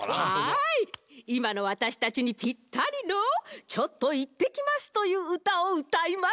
はいいまのわたしたちにピッタリの「ちょっと行ってきます」といううたをうたいます。